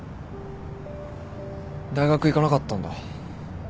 大学行かなかったんだ。